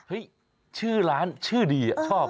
ชื่อร้านชื่อดีชอบ